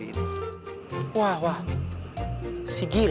ihani bangun bereits